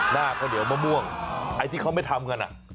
ข้าวเหนียวมะม่วงไอ้ที่เขาไม่ทำกัน